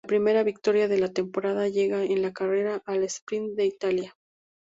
La primera victoria de la temporada llega en la carrera al sprint de Italia.